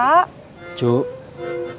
bukan mau mengganggu ketenangannya mereka